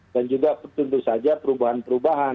dan juga tentu saja perubahan perubahan